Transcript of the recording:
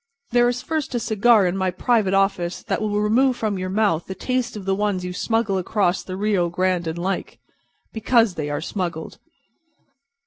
There is first a cigar in my private office that will remove from your mouth the taste of the ones you smuggle across the Rio Grande and like—because they are smuggled."